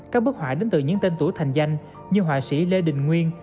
các bức họa đến từ những tên tuổi thành danh như họa sĩ lê đình nguyên